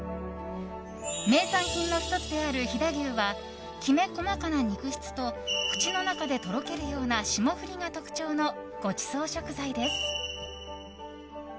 名産品の１つである飛騨牛はきめ細かな肉質と口の中でとろけるような霜降りが特徴のごちそう食材です。